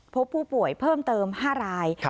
พบผู้ป่วยเพิ่มเติม๕ราย